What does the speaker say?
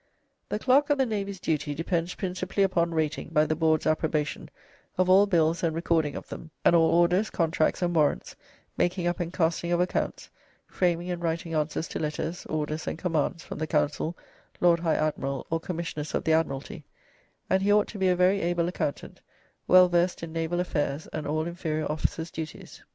"The clarke of the Navye's duty depends principally upon rateing (by the Board's approbation) of all bills and recording of them, and all orders, contracts & warrants, making up and casting of accompts, framing and writing answers to letters, orders, and commands from the Councell, Lord High Admirall, or Commissioners of the Admiralty, and he ought to be a very able accomptant, well versed in Navall affairs and all inferior officers dutyes.